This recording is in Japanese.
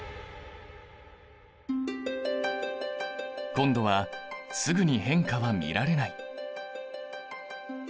今度はすぐに変化は見られない。